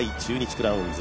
クラウンズ。